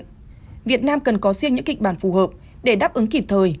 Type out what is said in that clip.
với dịch bệnh việt nam cần có riêng những kịch bản phù hợp để đáp ứng kịp thời